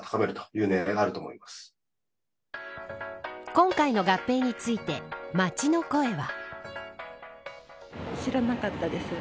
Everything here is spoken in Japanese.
今回の合併について街の声は。